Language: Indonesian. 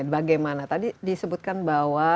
bagaimana tadi disebutkan bahwa